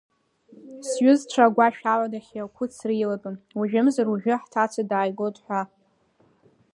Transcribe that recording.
Сҩызцәа агәашә аладахьы ақәыцра илатәан, уажәымзар уажәы ҳҭаца дааигот ҳәа.